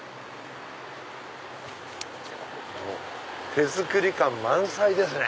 手作り感満載ですね。